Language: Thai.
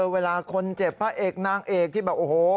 เวลาคนเจ็บพระเอกนางเอกที่แบบโอ้โห